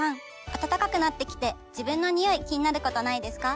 暖かくなってきて自分のニオイ気になることないですか？